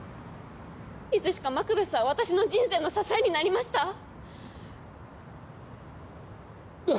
いつしかマクベスは私の人生の支えになりました。